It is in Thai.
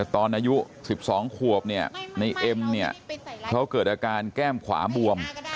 ตอนอายุ๑๒ควบในเอมเกิดอาการแก้มขวาบวม